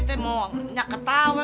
kita mau nyak ketawa